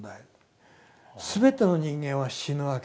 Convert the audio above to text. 全ての人間は死ぬわけです。